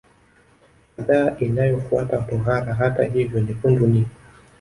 kadhaa inayofuata tohara Hata hivyo nyekundu ni